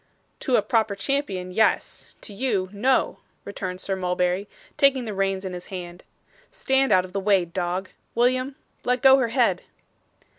'To a proper champion yes. To you no,' returned Sir Mulberry, taking the reins in his hand. 'Stand out of the way, dog. William, let go her head.